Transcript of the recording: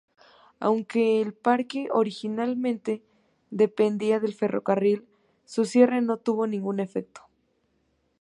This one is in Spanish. Aunque el parque originalmente dependía del ferrocarril, su cierre no tuvo ningún efecto.